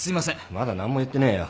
まだ何も言ってねえよ。